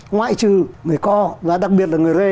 ngoại trừ người co và đặc biệt là người rê